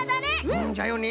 うんじゃよね。